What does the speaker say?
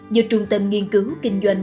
do trung tâm nghiên cứu kinh doanh